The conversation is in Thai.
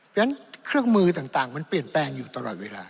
เพราะฉะนั้นเครื่องมือต่างมันเปลี่ยนแปลงอยู่ตลอดเวลา